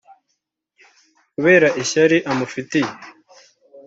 kubera ishyari amufitiye